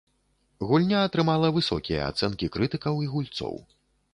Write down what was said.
Гульня атрымала высокія ацэнкі крытыкаў і гульцоў.